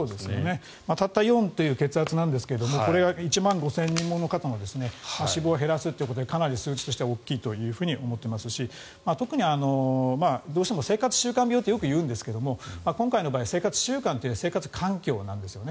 たった４という血圧ですがこれが１万５０００人もの方の死亡を減らすということでかなり数字としては大きいと思っていますし特にどうしても生活習慣病とよくいうんですが今回の場合は生活習慣というより生活環境なんですよね。